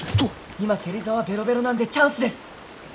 今芹沢ベロベロなんでチャンスです！